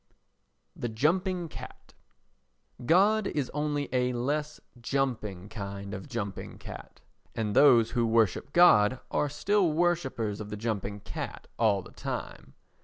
The Jumping Cat God is only a less jumping kind of jumping cat; and those who worship God are still worshippers of the jumping cat all the time.